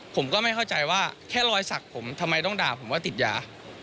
ผมก็ไม่เข้าใจว่าแค่รอยสักผมทำไมต้องด่าผมว่าติดยา